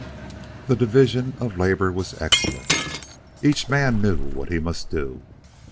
The division of labor was excellent. Each knew what he must do.